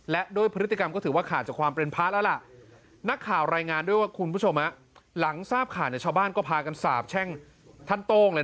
และโดยพฤติกรรมก็ถือว่าขาดจากความเป็นพระแล้วล่ะ